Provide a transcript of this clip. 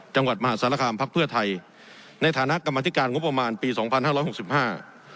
จังหวัดมหาศาลกรรมภักดิ์เพื่อไทยในฐานะกรรมธิการงบประมาณปีสองพันห้าร้อยหกสิบห้า